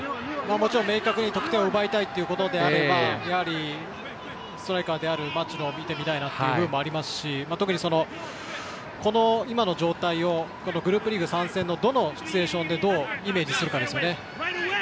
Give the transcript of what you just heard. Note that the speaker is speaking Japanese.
もちろん、明確に得点を奪いたいということであればストライカーの町野を見てみたいですし特にこの今の状態をグループリーグ３戦をどのシチュエーションでどうイメージするかですよね。